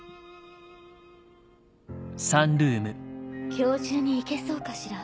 今日中に行けそうかしら？